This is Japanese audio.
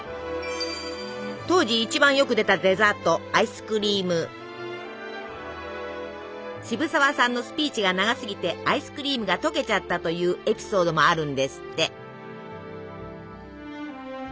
当時一番よく出たデザート渋沢さんのスピーチが長すぎてアイスクリームが溶けちゃったというエピソードもあるんですって。